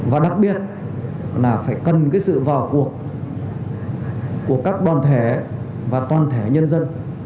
và đặc biệt là phải cân cái sự vào cuộc của các đoàn thể và toàn thể nhân dân